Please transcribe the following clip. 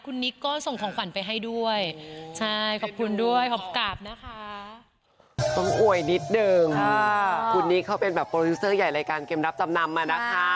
คุณนี่เขาเป็นโปรดิวเซอร์ใหญ่รายการเกมรับจำนำมานะคะ